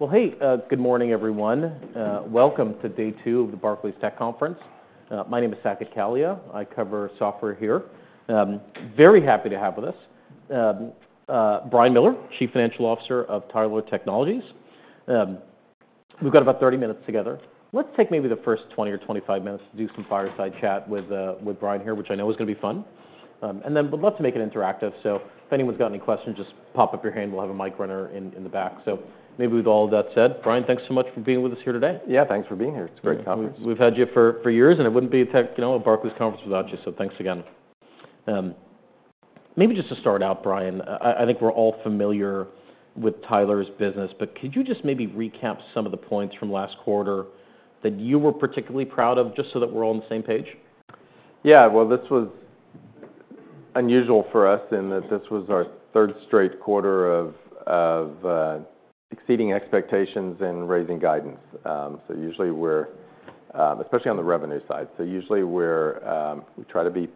Well, hey, good morning, everyone. Welcome to day two of the Barclays Tech Conference. My name is Saket Kalia. I cover software here. Very happy to have with us Brian Miller, Chief Financial Officer of Tyler Technologies. We've got about 30 minutes together. Let's take maybe the first 20 or 25 minutes to do some fireside chat with Brian here, which I know is gonna be fun. And then we'd love to make it interactive. So if anyone's got any questions, just pop up your hand. We'll have a mic runner in the back. So maybe with all of that said, Brian, thanks so much for being with us here today. Yeah, thanks for being here. It's a great conference. We've had you for years, and it wouldn't be a tech, you know, a Barclays Conference without you. So thanks again. Maybe just to start out, Brian, I think we're all familiar with Tyler's business, but could you just maybe recap some of the points from last quarter that you were particularly proud of just so that we're all on the same page? Yeah. Well, this was unusual for us in that this was our third straight quarter of exceeding expectations and raising guidance. Usually we're, especially on the revenue side, we try to be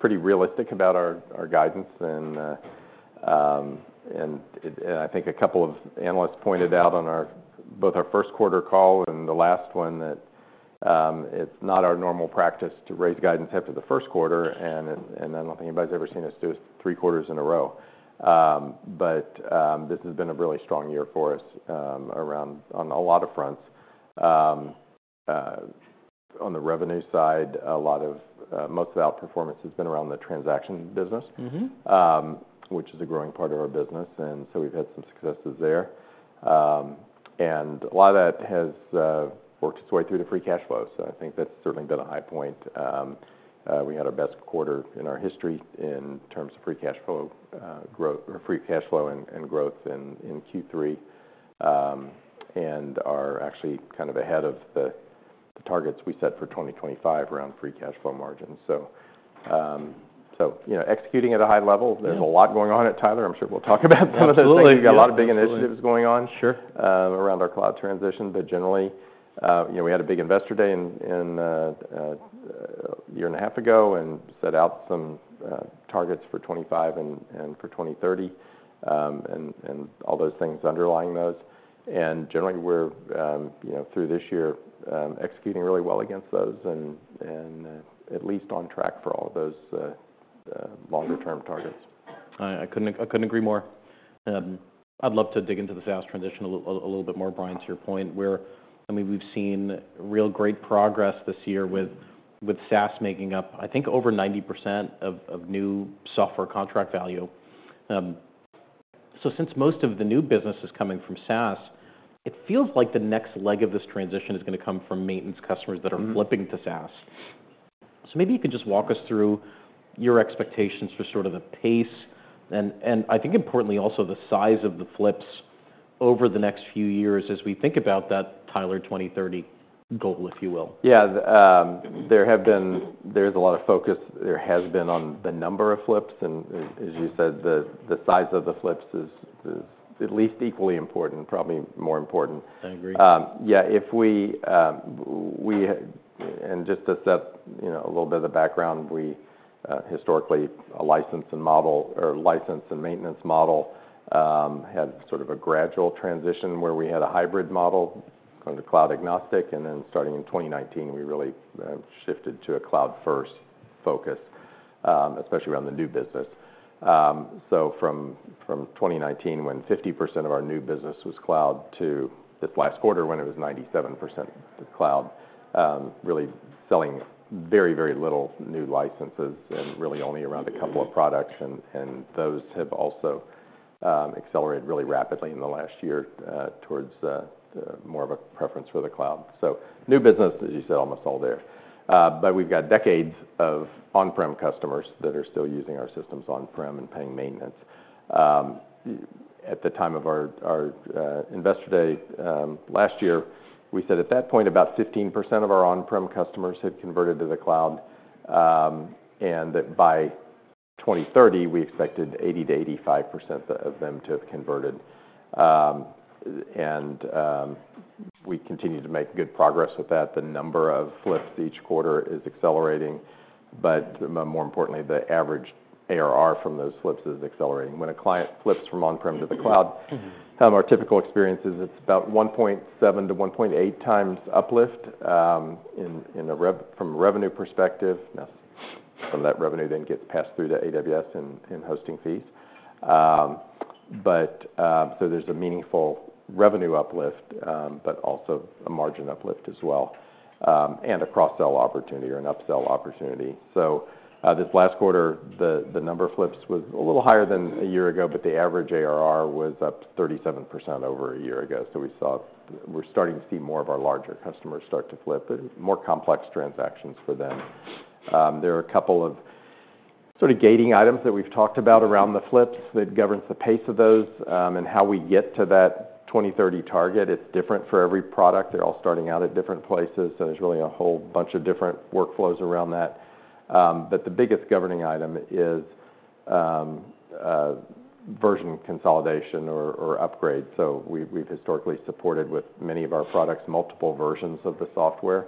pretty realistic about our guidance. I think a couple of analysts pointed out on both our first quarter call and the last one that it's not our normal practice to raise guidance after the first quarter. I don't think anybody's ever seen us do three quarters in a row. This has been a really strong year for us around on a lot of fronts. On the revenue side, most of our performance has been around the transaction business. Which is a growing part of our business. And so we've had some successes there. And a lot of that has worked its way through to free cash flow. So I think that's certainly been a high point. We had our best quarter in our history in terms of free cash flow growth or free cash flow and growth in Q3, and are actually kind of ahead of the targets we set for 2025 around free cash flow margins. So you know, executing at a high level. There's a lot going on at Tyler. I'm sure we'll talk about some of those. Absolutely. We've got a lot of big initiatives going on. Sure. Around our cloud transition. But generally, you know, we had a big Investor Day in a year and a half ago and set out some targets for 2025 and for 2030, and all those things underlying those. And generally, we're, you know, through this year, executing really well against those and, at least on track for all those longer-term targets. I couldn't agree more. I'd love to dig into the SaaS transition a little bit more, Brian, to your point. I mean, we've seen real great progress this year with SaaS making up, I think, over 90% of new software contract value, so since most of the new business is coming from SaaS, it feels like the next leg of this transition is gonna come from maintenance customers that are flipping to SaaS, so maybe you could just walk us through your expectations for sort of the pace and, I think importantly also, the size of the flips over the next few years as we think about that Tyler 2030 goal, if you will. Yeah, there has been a lot of focus on the number of flips. And as you said, the size of the flips is at least equally important, probably more important. I agree. Yeah. If we and just to set, you know, a little bit of the background, we historically a license and model or license and maintenance model had sort of a gradual transition where we had a hybrid model kind of cloud agnostic. And then starting in 2019, we really shifted to a cloud-first focus, especially around the new business. So from 2019 when 50% of our new business was cloud to this last quarter when it was 97% cloud, really selling very little new licenses and really only around a couple of products. And those have also accelerated really rapidly in the last year towards more of a preference for the cloud. So new business, as you said, almost all there. But we've got decades of on-prem customers that are still using our systems on-prem and paying maintenance. At the time of our investor day last year, we said at that point about 15% of our on-prem customers had converted to the cloud, and that by 2030 we expected 80% to 85% of them to have converted. We continue to make good progress with that. The number of flips each quarter is accelerating, but more importantly, the average ARR from those flips is accelerating. When a client flips from on-prem to the cloud, our typical experience is it's about 1.7 to 1.8 times uplift in ARR from a revenue perspective. That's from that revenue then gets passed through to AWS and hosting fees. So there's a meaningful revenue uplift, but also a margin uplift as well, and a cross-sell opportunity or an upsell opportunity. So, this last quarter, the number of flips was a little higher than a year ago, but the average ARR was up 37% over a year ago. So we're starting to see more of our larger customers start to flip, but more complex transactions for them. There are a couple of sort of gating items that we've talked about around the flips that governs the pace of those, and how we get to that 2030 target. It's different for every product. They're all starting out at different places. So there's really a whole bunch of different workflows around that. But the biggest governing item is version consolidation or upgrade. So we've historically supported with many of our products multiple versions of the software,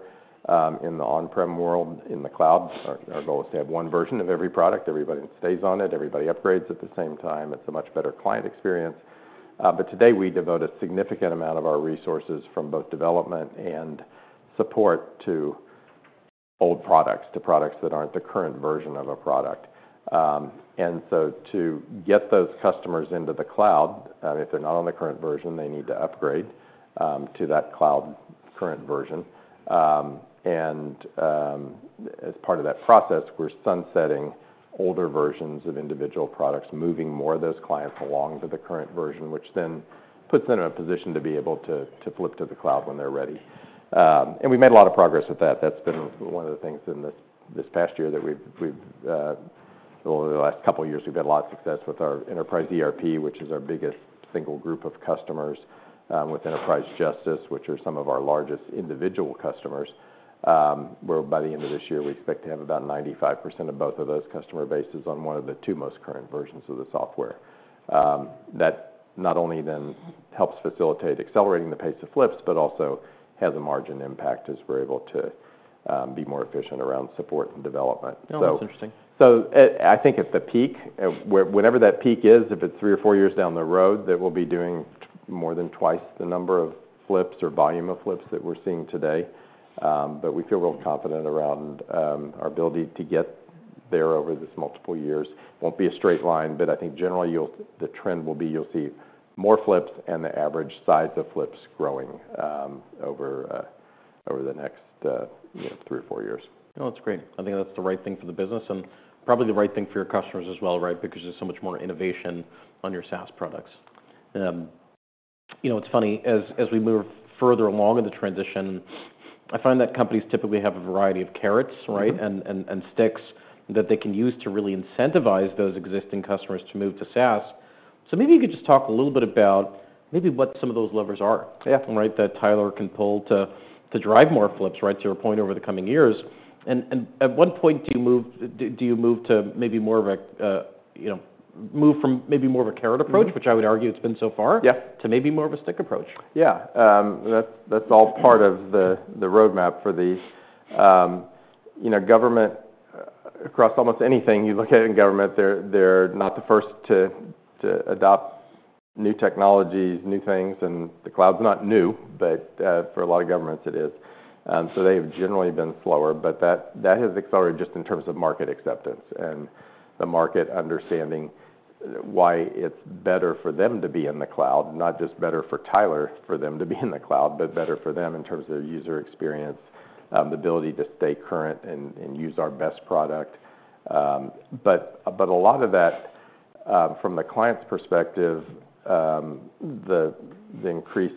in the on-prem world, in the cloud. Our goal is to have one version of every product. Everybody stays on it. Everybody upgrades at the same time. It's a much better client experience, but today we devote a significant amount of our resources from both development and support to old products, to products that aren't the current version of a product, and so to get those customers into the cloud, if they're not on the current version, they need to upgrade to that cloud current version, and as part of that process, we're sunsetting older versions of individual products, moving more of those clients along to the current version, which then puts them in a position to be able to, to flip to the cloud when they're ready, and we've made a lot of progress with that. That's been one of the things in this past year that we've over the last couple of years had a lot of success with our Enterprise ERP, which is our biggest single group of customers, with Enterprise Justice, which are some of our largest individual customers, where by the end of this year we expect to have about 95% of both of those customer bases on one of the two most current versions of the software. That not only then helps facilitate accelerating the pace of flips, but also has a margin impact as we're able to be more efficient around support and development. So. Oh, that's interesting. So, I think at the peak, where, whenever that peak is, if it's three or four years down the road, that we'll be doing more than twice the number of flips or volume of flips that we're seeing today. But we feel real confident around, our ability to get there over this multiple years. Won't be a straight line, but I think generally you'll, the trend will be you'll see more flips and the average size of flips growing, over the next, you know, three or four years. Oh, that's great. I think that's the right thing for the business and probably the right thing for your customers as well, right? Because there's so much more innovation on your SaaS products. You know, it's funny as we move further along in the transition, I find that companies typically have a variety of carrots, right? Sticks that they can use to really incentivize those existing customers to move to SaaS. Maybe you could just talk a little bit about maybe what some of those levers are. Yeah. Right? That Tyler can pull to drive more flips, right? To your point over the coming years. And at one point, do you move to maybe more of a, you know, move from maybe more of a carrot approach. Which I would argue it's been so far. Yeah. To maybe more of a stick approach. Yeah. That's all part of the roadmap for the, you know, government across almost anything you look at in government. They're not the first to adopt new technologies, new things, and the cloud's not new, but for a lot of governments, it is. So they have generally been slower, but that has accelerated just in terms of market acceptance and the market understanding why it's better for them to be in the cloud, not just better for Tyler for them to be in the cloud, but better for them in terms of their user experience, the ability to stay current and use our best product. But a lot of that, from the client's perspective, the increased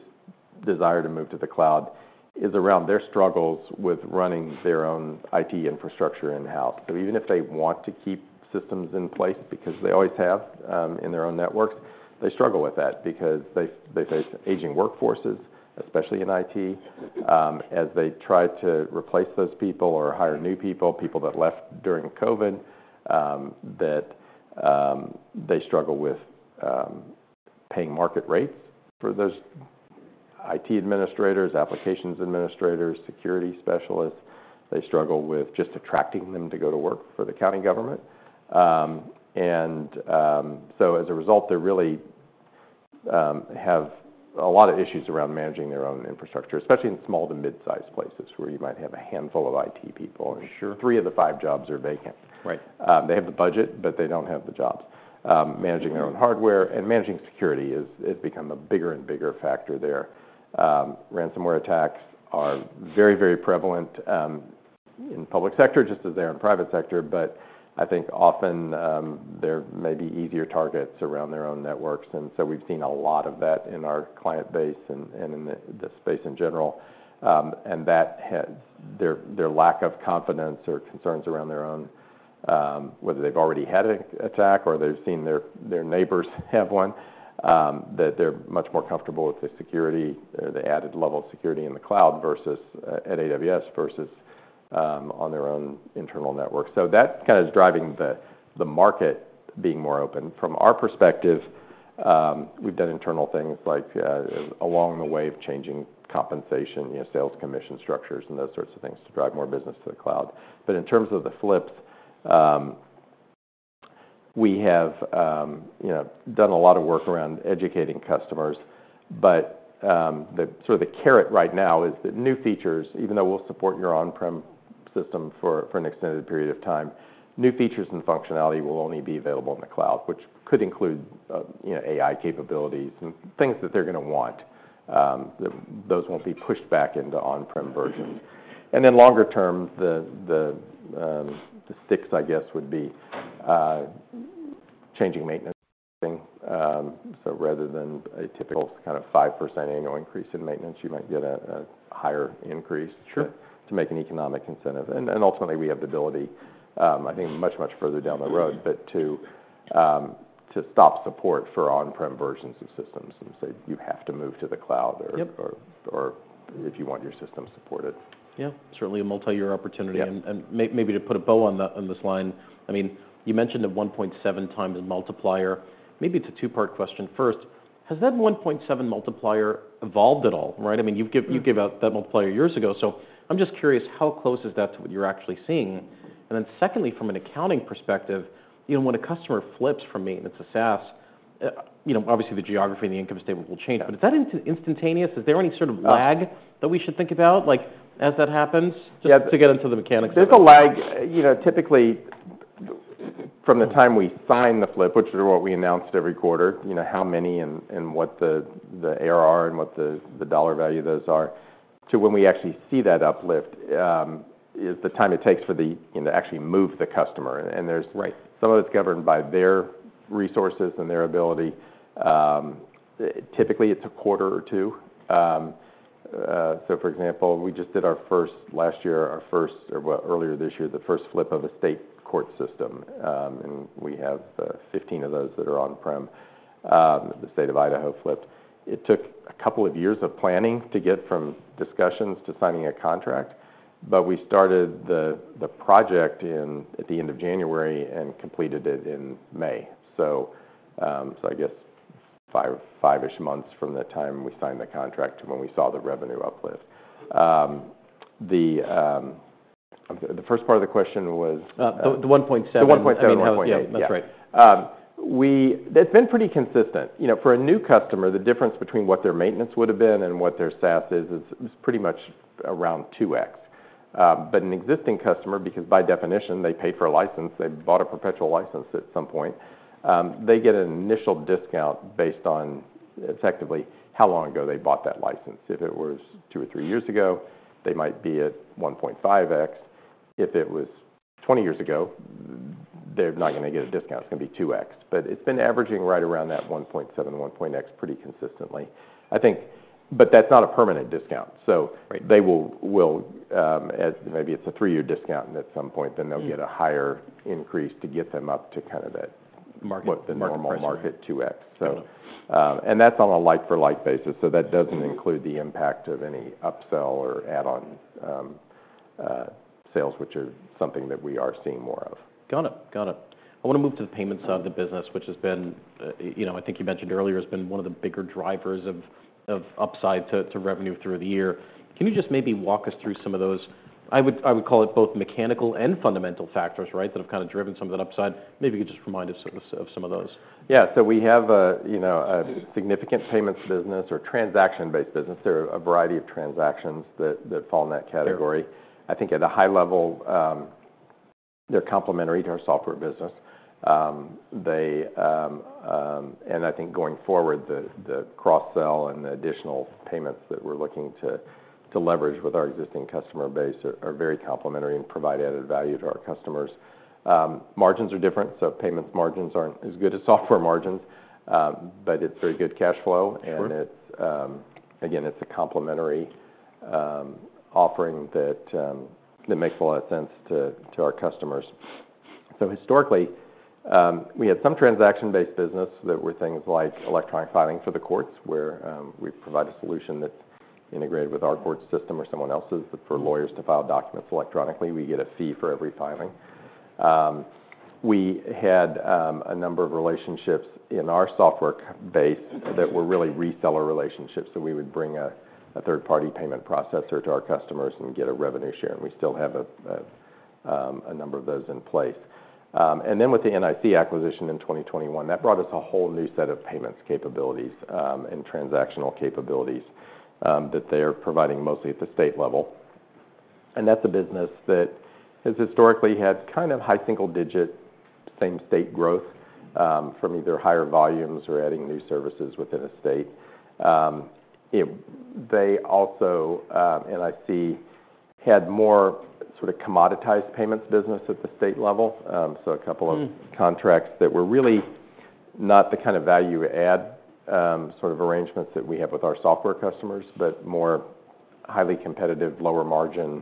desire to move to the cloud is around their struggles with running their own IT infrastructure in-house. So even if they want to keep systems in place because they always have, in their own networks, they struggle with that because they face aging workforces, especially in IT, as they try to replace those people or hire new people, people that left during COVID. They struggle with paying market rates for those IT administrators, applications administrators, security specialists. They struggle with just attracting them to go to work for the county government. So as a result, they really have a lot of issues around managing their own infrastructure, especially in small to mid-sized places where you might have a handful of IT people. Sure. Three of the five jobs are vacant. Right. They have the budget, but they don't have the jobs. Managing their own hardware and managing security is, has become a bigger and bigger factor there. Ransomware attacks are very, very prevalent in public sector just as they are in private sector. But I think often there may be easier targets around their own networks. And so we've seen a lot of that in our client base and, and in the, the space in general. And that has, their, their lack of confidence or concerns around their own, whether they've already had an attack or they've seen their, their neighbors have one, that they're much more comfortable with the security or the added level of security in the cloud versus at AWS versus on their own internal network. So that kind of is driving the, the market being more open. From our perspective, we've done internal things like, along the way of changing compensation, you know, sales commission structures and those sorts of things to drive more business to the cloud. But in terms of the flips, we have, you know, done a lot of work around educating customers. But sort of the carrot right now is that new features, even though we'll support your on-prem system for an extended period of time, new features and functionality will only be available in the cloud, which could include, you know, AI capabilities and things that they're gonna want, that those won't be pushed back into on-prem versions. And then longer term, the sticks, I guess, would be changing maintenance. So rather than a typical kind of 5% annual increase in maintenance, you might get a higher increase. Sure. To make an economic incentive. And ultimately we have the ability, I think much, much further down the road, but to stop support for on-prem versions of systems and say, "You have to move to the cloud or if you want your system supported. Yeah. Certainly a multi-year opportunity. Yeah. Maybe to put a bow on this line, I mean, you mentioned a 1.7 times multiplier. Maybe it's a two-part question. First, has that 1.7 multiplier evolved at all? Right? I mean, you've given out that multiplier years ago. So I'm just curious how close is that to what you're actually seeing? And then secondly, from an accounting perspective, you know, when a customer flips from maintenance to SaaS, you know, obviously the geography and the income statement will change. But is that instantaneous? Is there any sort of lag? That we should think about like as that happens? Just to get into the mechanics of it. There's a lag, you know, typically From the time we sign the flip, which are what we announced every quarter, you know, how many and what the ARR and what the dollar value of those are to when we actually see that uplift, is the time it takes for the, you know, to actually move the customer. And there's. Some of it's governed by their resources and their ability. Typically it's a quarter or two, so for example, we just did our first last year, our first, or well, earlier this year, the first flip of a state court system, and we have 15 of those that are on-prem. The State of Idaho flipped. It took a couple of years of planning to get from discussions to signing a contract. But we started the project at the end of January and completed it in May. So I guess five, five-ish months from the time we signed the contract to when we saw the revenue uplift. The first part of the question was. the 1.7. The 1.7. I mean, yeah. Yeah. That's right. Yeah. That's been pretty consistent. You know, for a new customer, the difference between what their maintenance would have been and what their SaaS is is pretty much around 2X. But an existing customer, because by definition they paid for a license, they bought a perpetual license at some point, they get an initial discount based on effectively how long ago they bought that license. If it was two or three years ago, they might be at 1.5X. If it was 20 years ago, they're not gonna get a discount. It's gonna be 2X. But it's been averaging right around that 1.7, 1.X pretty consistently, I think. But that's not a permanent discount. So they will, as maybe it's a three-year discount and at some point then they'll get a higher increase to get them up to kind of that. Market price. What the normal market 2X. So, and that's on a like-for-like basis. So that doesn't include the impact of any upsell or add-on sales, which are something that we are seeing more of. Got it. Got it. I wanna move to the payment side of the business, which has been, you know, I think you mentioned earlier has been one of the bigger drivers of upside to revenue through the year. Can you just maybe walk us through some of those? I would call it both mechanical and fundamental factors, right, that have kind of driven some of that upside. Maybe you could just remind us of some of those. Yeah, so we have a, you know, a significant payments business or transaction-based business. There are a variety of transactions that fall in that category. I think at a high level, they're complementary to our software business. And I think going forward, the cross-sell and the additional payments that we're looking to leverage with our existing customer base are very complementary and provide added value to our customers. Margins are different. So payments margins aren't as good as software margins, but it's very good cash flow It's again a complementary offering that makes a lot of sense to our customers. So historically, we had some transaction-based business that were things like electronic filing for the courts where we provide a solution that's integrated with our court system or someone else's for lawyers to file documents electronically. We get a fee for every filing. We had a number of relationships in our software base that were really reseller relationships. So we would bring a third-party payment processor to our customers and get a revenue share. And we still have a number of those in place. And then with the NIC acquisition in 2021, that brought us a whole new set of payments capabilities and transactional capabilities that they're providing mostly at the state level. And that's a business that has historically had kind of high single-digit same-state growth, from either higher volumes or adding new services within a state. You know, they also, NIC had more sort of commoditized payments business at the state level. So a couple of Contracts that were really not the kind of value-add, sort of arrangements that we have with our software customers, but more highly competitive, lower margin,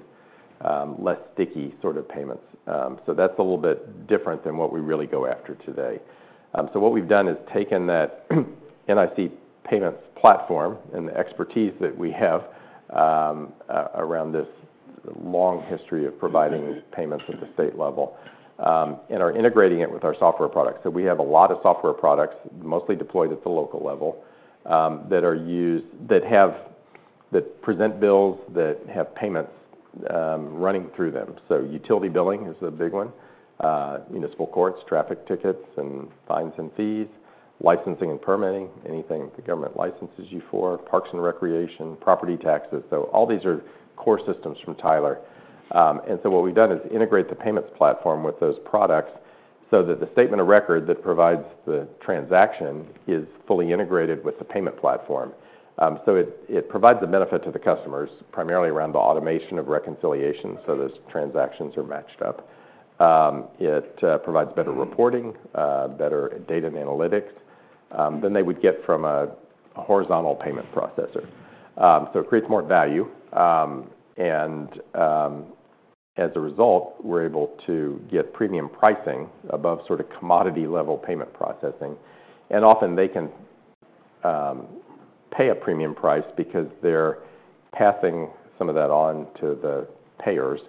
less sticky sort of payments, so that's a little bit different than what we really go after today. So what we've done is taken that NIC payments platform and the expertise that we have, around this long history of providing payments at the state level, and are integrating it with our software products, so we have a lot of software products mostly deployed at the local level, that are used that have that present bills that have payments, running through them. Utility billing is a big one, municipal courts, traffic tickets and fines and fees, licensing and permitting, anything the government licenses you for, parks and recreation, property taxes, so all these are core systems from Tyler. And so what we've done is integrate the payments platform with those products so that the statement of record that provides the transaction is fully integrated with the payment platform, so it provides a benefit to the customers primarily around the automation of reconciliation so those transactions are matched up, it provides better reporting, better data and analytics, than they would get from a horizontal payment processor, so it creates more value, and as a result, we're able to get premium pricing above sort of commodity-level payment processing, and often they can pay a premium price because they're passing some of that on to the payers.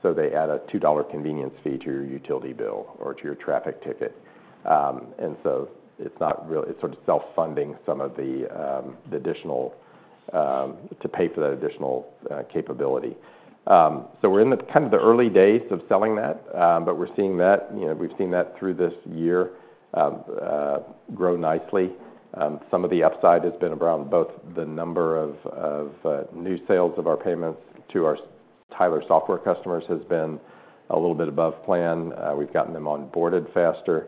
So they add a $2 convenience fee to your utility bill or to your traffic ticket, and so it's not really, it's sort of self-funding some of the additional to pay for that additional capability. So we're in the kind of early days of selling that, but we're seeing that, you know, we've seen that through this year grow nicely. Some of the upside has been around both the number of new sales of our payments to our Tyler software customers has been a little bit above plan. We've gotten them onboarded faster.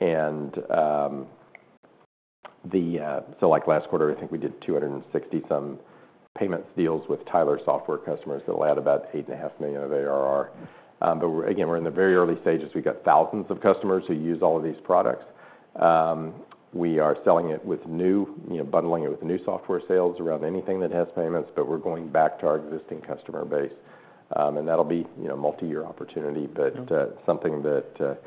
And so like last quarter, I think we did 260-some payments deals with Tyler software customers that will add about 8.5 million of ARR. But we're again in the very early stages. We've got thousands of customers who use all of these products. We are selling it with new, you know, bundling it with new software sales around anything that has payments, but we're going back to our existing customer base. And that'll be, you know, a multi-year opportunity, but something that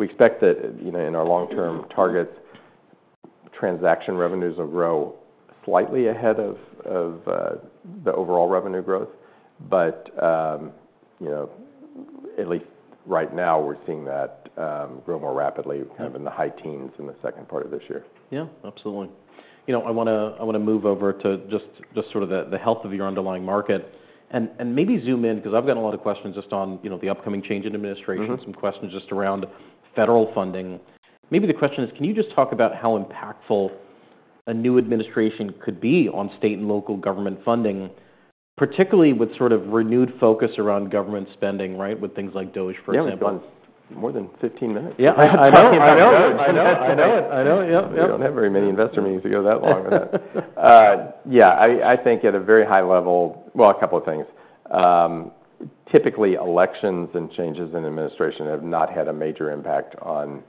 we expect that, you know, in our long-term targets, transaction revenues will grow slightly ahead of the overall revenue growth. But you know, at least right now we're seeing that grow more rapidly, kind of in the high teens in the second part of this year. Yeah. Absolutely. You know, I wanna move over to just sort of the health of your underlying market and maybe zoom in 'cause I've got a lot of questions just on, you know, the upcoming change in administration. Some questions just around federal funding. Maybe the question is, can you just talk about how impactful a new administration could be on state and local government funding, particularly with sort of renewed focus around government spending, right, with things like DOGE, for example? Yeah. We've gone more than 15 minutes. Yeah. I know. I know. I know. Yeah. We don't have very many investor meetings to go that long on that. Yeah. I think at a very high level. Well, a couple of things. Typically elections and changes in administration have not had a major impact on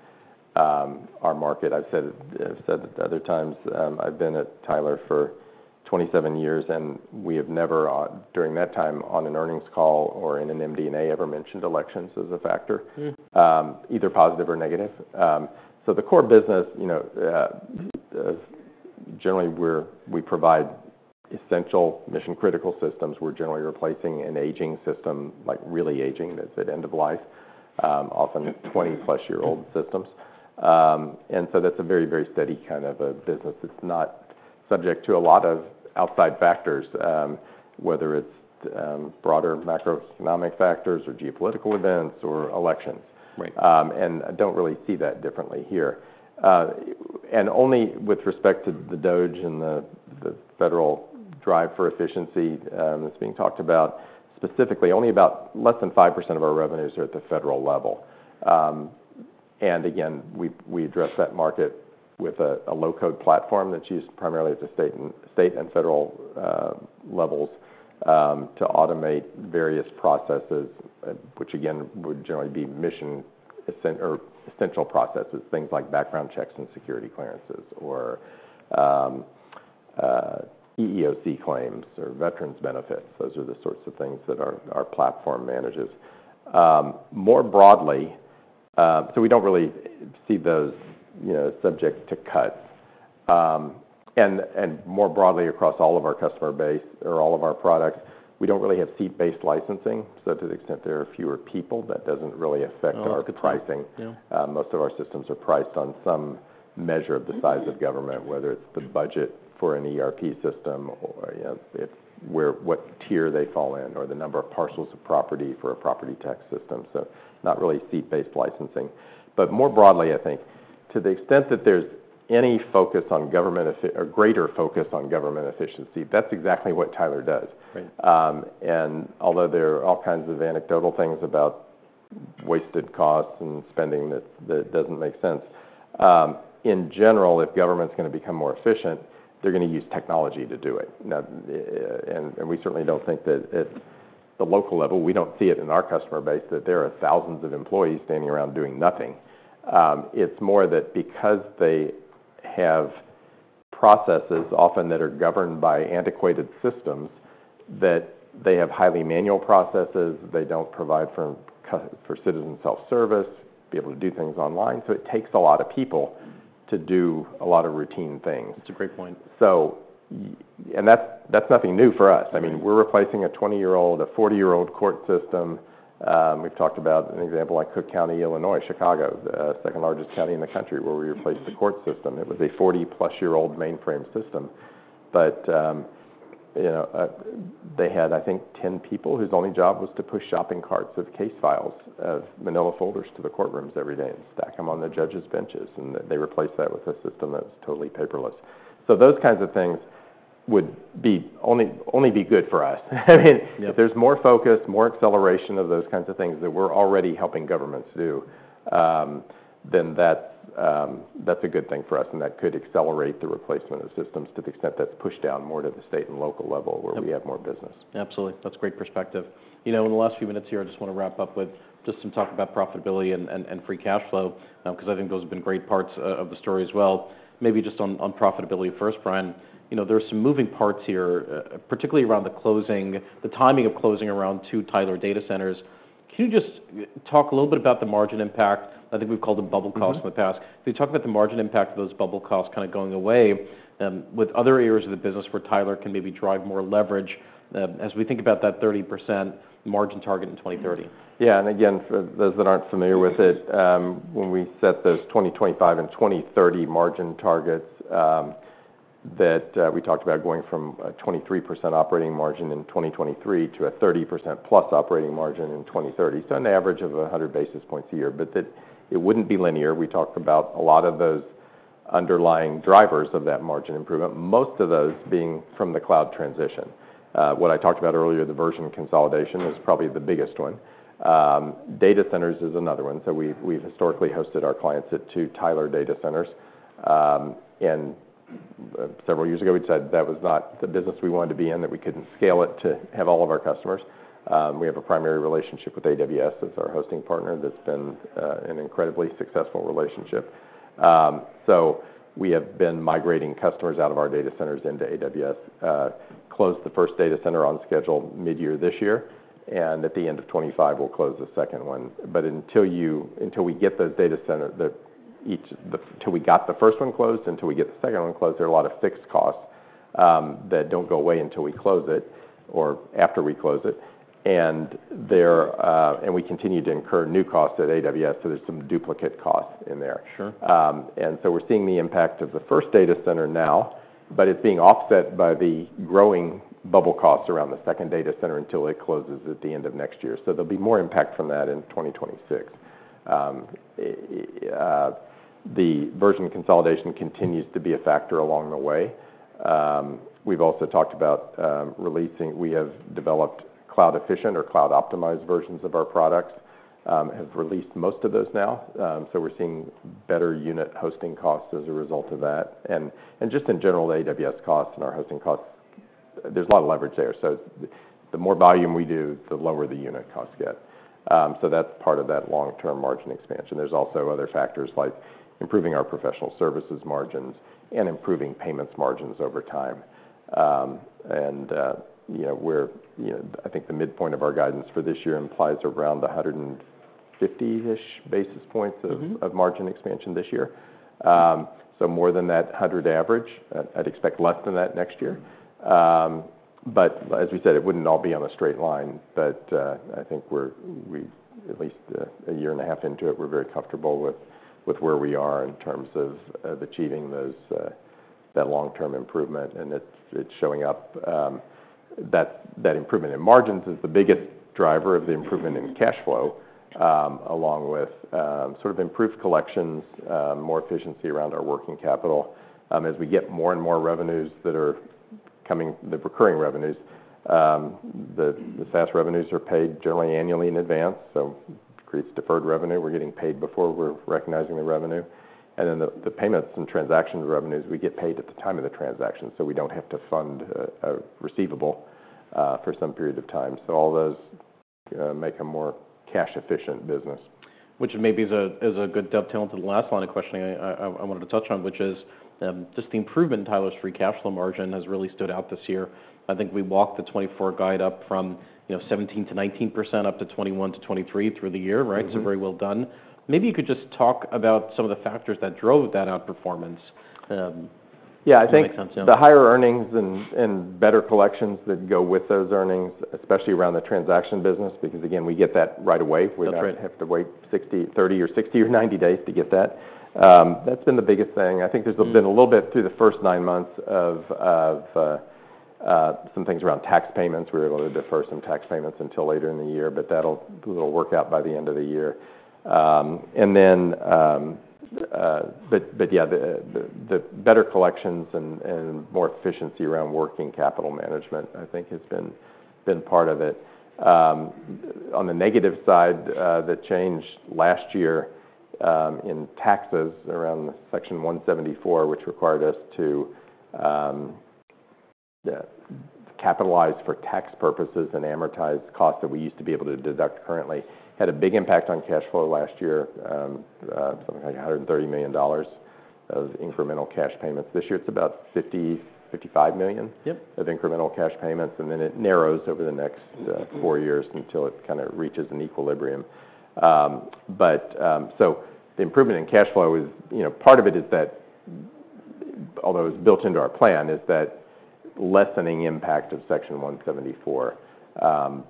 our market. I've said, I've said it other times. I've been at Tyler for 27 years and we have never during that time on an earnings call or in an MD&A ever mentioned elections as a factor, either positive or negative. So the core business, you know, generally we provide essential mission-critical systems. We're generally replacing an aging system, like really aging, that's at end of life, often 20-plus-year-old systems. And so that's a very, very steady kind of a business. It's not subject to a lot of outside factors, whether it's broader macroeconomic factors or geopolitical events or elections. Right. And I don't really see that differently here. And only with respect to the DOGE and the federal drive for efficiency that's being talked about specifically, only about less than 5% of our revenues are at the federal level. And again, we address that market with a low-code platform that's used primarily at the state and federal levels to automate various processes, which again would generally be mission essential processes, things like background checks and security clearances or EEOC claims or veterans benefits. Those are the sorts of things that our platform manages. More broadly, so we don't really see those, you know, subject to cuts. And more broadly across all of our customer base or all of our products, we don't really have seat-based licensing. So to the extent there are fewer people, that doesn't really affect our pricing. Yeah. Most of our systems are priced on some measure of the size of government, whether it's the budget for an ERP system or, you know, it's where what tier they fall in or the number of parcels of property for a property tax system. So not really seat-based licensing. But more broadly, I think to the extent that there's any focus on government efficiency or greater focus on government efficiency, that's exactly what Tyler does. Right. Although there are all kinds of anecdotal things about wasted costs and spending that doesn't make sense, in general, if government's gonna become more efficient, they're gonna use technology to do it. Now, we certainly don't think that at the local level, we don't see it in our customer base that there are thousands of employees standing around doing nothing. It's more that because they have processes often that are governed by antiquated systems that they have highly manual processes. They don't provide for citizen self-service, be able to do things online. So it takes a lot of people to do a lot of routine things. That's a great point. So, yeah, and that's nothing new for us. I mean, we're replacing a 20-year-old, a 40-year-old court system. We've talked about an example like Cook County, Illinois, Chicago, the second largest county in the country where we replaced the court system. It was a 40-plus-year-old mainframe system. But, you know, they had, I think, 10 people whose only job was to push shopping carts of case files, of manila folders to the courtrooms every day and stack them on the judge's benches. And they replaced that with a system that was totally paperless. So those kinds of things would only be good for us. I mean. If there's more focus, more acceleration of those kinds of things that we're already helping governments do, then that's a good thing for us. And that could accelerate the replacement of systems to the extent that's pushed down more to the state and local level where we have more business. Absolutely. That's a great perspective. You know, in the last few minutes here, I just wanna wrap up with just some talk about profitability and free cash flow, 'cause I think those have been great parts of the story as well. Maybe just on profitability first, Brian. You know, there are some moving parts here, particularly around the closing, the timing of closing around two Tyler data centers. Can you just talk a little bit about the margin impact? I think we've called them bubble costs in the past. Can you talk about the margin impact of those bubble costs kind of going away, with other areas of the business where Tyler can maybe drive more leverage, as we think about that 30% margin target in 2030? Yeah. And again, for those that aren't familiar with it, when we set those 2025 and 2030 margin targets, that we talked about going from a 23% operating margin in 2023 to a 30% plus operating margin in 2030. So an average of 100 basis points a year. But that it wouldn't be linear. We talked about a lot of those underlying drivers of that margin improvement, most of those being from the cloud transition. What I talked about earlier, the version consolidation is probably the biggest one. Data centers is another one. So we've historically hosted our clients at two Tyler data centers. And several years ago, we'd said that was not the business we wanted to be in, that we couldn't scale it to have all of our customers. We have a primary relationship with AWS as our hosting partner that's been an incredibly successful relationship. We have been migrating customers out of our data centers into AWS. We closed the first data center on schedule mid-year this year. And at the end of 2025, we'll close the second one. But until we get those data centers that we have till we got the first one closed, until we get the second one closed, there are a lot of fixed costs that don't go away until we close it or after we close it. And they're, and we continue to incur new costs at AWS. So there's some duplicate costs in there. Sure. And so we're seeing the impact of the first data center now, but it's being offset by the growing build costs around the second data center until it closes at the end of next year. So there'll be more impact from that in 2026. The version consolidation continues to be a factor along the way. We've also talked about. We have developed cloud-efficient or cloud-optimized versions of our products [and] have released most of those now. So we're seeing better unit hosting costs as a result of that. And just in general, the AWS costs and our hosting costs, there's a lot of leverage there. So the more volume we do, the lower the unit costs get. So that's part of that long-term margin expansion. There's also other factors like improving our professional services margins and improving payments margins over time. And, you know, we're, you know, I think the midpoint of our guidance for this year implies around 150-ish basis points of margin expansion this year. So more than that 100 average, I'd expect less than that next year. But as we said, it wouldn't all be on a straight line. I think we're at least a year and a half into it. We're very comfortable with where we are in terms of achieving those, that long-term improvement. And it's showing up. That improvement in margins is the biggest driver of the improvement in cash flow, along with sort of improved collections, more efficiency around our working capital. As we get more and more revenues that are coming, the recurring revenues, the SaaS revenues are paid generally annually in advance. So it creates deferred revenue. We're getting paid before we're recognizing the revenue. And then the payments and transaction revenues, we get paid at the time of the transaction so we don't have to fund a receivable for some period of time. So all those make a more cash-efficient business. Which maybe is a good dovetail into the last line of questioning I wanted to touch on, which is, just the improvement in Tyler's free cash flow margin has really stood out this year. I think we walked the 2024 guide up from, you know, 17% to 19% up to 21% to 23% through the year, right? So very well done. Maybe you could just talk about some of the factors that drove that outperformance? Yeah. I think. If that makes sense. Yeah. The higher earnings and better collections that go with those earnings, especially around the transaction business, because again, we get that right away. That's right. We don't have to wait 60, 30, or 60 or 90 days to get that. That's been the biggest thing. I think there's been a little bit through the first nine months of some things around tax payments. We were able to defer some tax payments until later in the year, but that'll, it'll work out by the end of the year. But yeah, the better collections and more efficiency around working capital management, I think, has been part of it. On the negative side, that changed last year in taxes around Section 174, which required us to capitalize for tax purposes and amortize costs that we used to be able to deduct currently. It had a big impact on cash flow last year, something like $130 million of incremental cash payments. This year, it's about $50 to 55 million. Yep. Of incremental cash payments, and then it narrows over the next 4 years until it kind of reaches an equilibrium, but so the improvement in cash flow is, you know, part of it is that, although it was built into our plan, is that lessening impact of Section 174,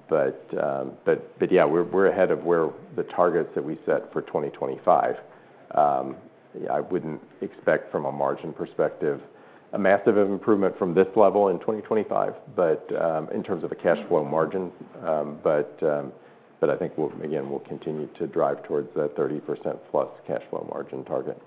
but yeah, we're ahead of where the targets that we set for 2025. I wouldn't expect from a margin perspective a massive improvement from this level in 2025, but in terms of the cash flow margin, I think we'll, again, continue to drive towards that 30% plus cash flow margin target.